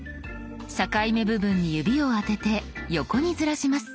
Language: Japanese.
境目部分に指を当てて横にずらします。